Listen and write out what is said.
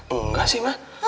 eh enggak sih mah